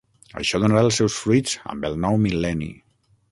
Això donarà els seus fruits amb el nou mil·lenni.